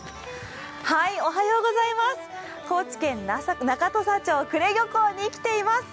高知県中土佐町久礼漁港に来ています。